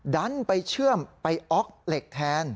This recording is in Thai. ดันไปเชื่อมไปอ๊อกเหล็กแทน